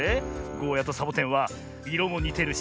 ゴーヤとサボテンはいろもにてるしね